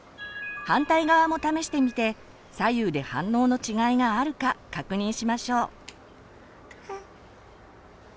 反対側も試してみて左右で反応の違いがあるか確認しましょう。